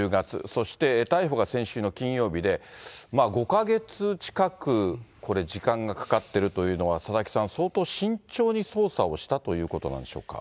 そして、逮捕が先週の金曜日で、５か月近くこれ、時間がかかってるというのは、佐々木さん、相当、慎重に捜査をしたということなのでしょうか。